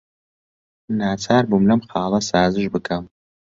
ناچار بووم لەم خاڵە سازش بکەم.